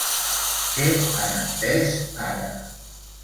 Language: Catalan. Què han entès ara?